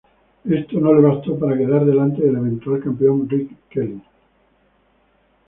Eso no le bastó para quedar delante del eventual campeón Rick Kelly.